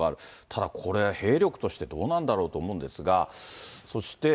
ただ、これ、兵力としてどうなんだろうと思うんですが。